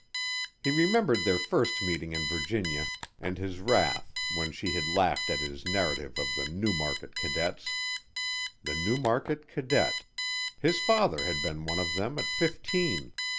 He remembered their first meeting in Virginia and his wrath when she had laughed at his narrative of the Newmarket cadets. The Newmarket cadets! His father had been one of them at fifteen.